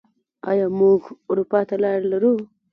آیا موږ اروپا ته لاره لرو؟